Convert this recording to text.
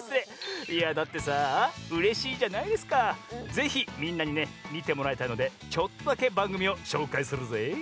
ぜひみんなにねみてもらいたいのでちょっとだけばんぐみをしょうかいするぜい！